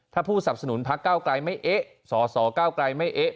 ถ้าผู้สับสนุนพักเก้าไกลไม่เอ๊ะสสเก้าไกลไม่เอ๊ะ